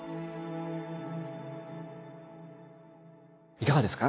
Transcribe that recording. いかがですか？